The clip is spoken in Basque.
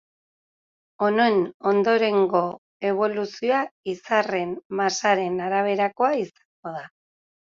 Honen ondorengo eboluzioa izarraren masaren araberakoa izango da.